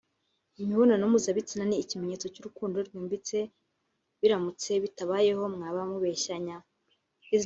imibonano mpuzabitsina ni ikimenyetso cy’urukundo rwimbitse biramutse bitabayeho mwaba mubeshyanya